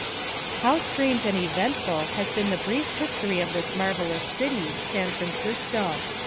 How strange and eventful has been the brief history of this marvellous city, San Francisco!